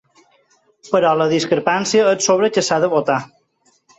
Però la discrepància és sobre què s’ha de votar.